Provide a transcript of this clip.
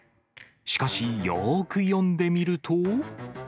しかし、よーく読んでみると。